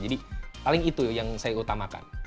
jadi paling itu yang saya utamakan